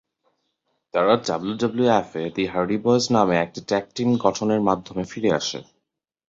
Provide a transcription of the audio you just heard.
তারা ডাব্লিউডাব্লিউএফ এ the Hardy Boyz নামে একটি ট্যাগ টিম গঠনের মাধ্যমে ফিরে আসে।